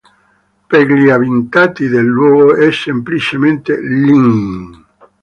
Per gli abitanti del luogo è semplicemente "Lynn".